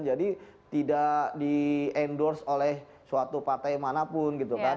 jadi tidak di endorse oleh suatu partai manapun gitu kan